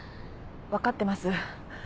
分かってます。